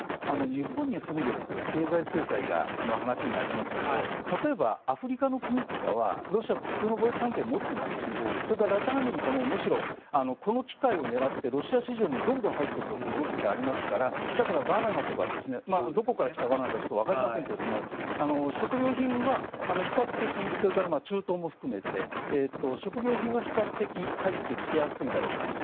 日本に住んでいると経済制裁の話になりますけど例えば、アフリカの国とかはロシアと普通の貿易関係を持っていますしそれからラテンアメリカもこの機会を狙ってロシア市場にどんどん入っていこうという動きがありますからバナナとかどこから来たバナナかわかりませんが、食料品はそれから中東も含めて食料品は比較的入ってきやすいだろうと思います。